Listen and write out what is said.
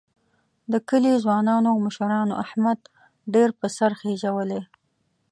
د کلي ځوانانو او مشرانو احمد ډېر په سر خېجولی.